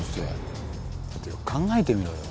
だってよく考えてみろよ。